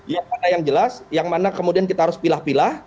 ya mana yang jelas yang mana kemudian kita harus pilah pilah